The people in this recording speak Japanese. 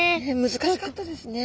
難しかったですね。